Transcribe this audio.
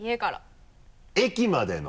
駅までの。